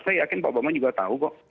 saya yakin pak obama juga tahu kok